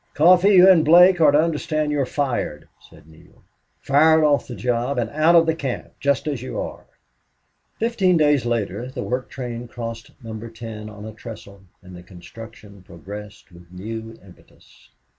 "Coffee, you and Blake are to understand you're fired," said Neale. "Fired off the job and out of camp, just as you are." Fifteen days later the work train crossed Number Ten on a trestle and the construction progressed with new impetus.